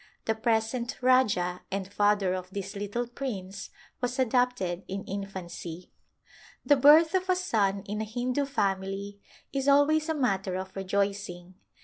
The present Rajah and father of this little prince was adopted in infancy. The birth of a son in a Hindu family is always a matter of rejoicing.